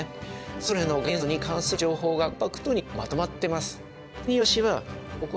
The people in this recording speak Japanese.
それぞれの元素に関する情報がコンパクトにまとまってます。